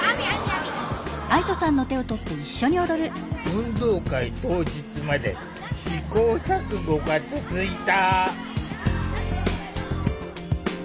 運動会当日まで試行錯誤が続いた。